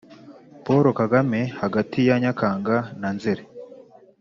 paul kagame hagati ya nyakanga na nzeri